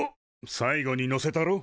最後にのせたろ？